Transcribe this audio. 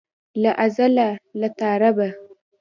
له ازله له تا ربه.